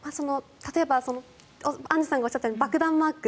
例えばアンジュさんがおっしゃったように爆弾マーク。